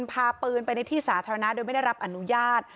พาปืนไปในที่สาธารณะโดยไม่ได้รับอนุญาต